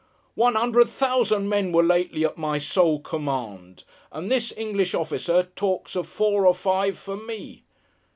One hundred thousand men were lately at my sole command; and this English officer talks of four or five for me!